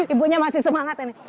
ibunya masih semangat ini